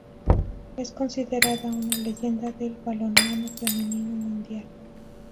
Es considerada una leyenda del balonmano femenino mundial.